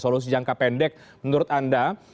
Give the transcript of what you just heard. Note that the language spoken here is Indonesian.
solusi jangka pendek menurut anda